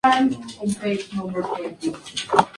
Ese taxón se creó en su honor.